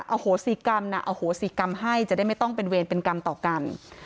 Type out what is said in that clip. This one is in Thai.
โหสิกรรมน่ะอโหสิกรรมให้จะได้ไม่ต้องเป็นเวรเป็นกรรมต่อกัน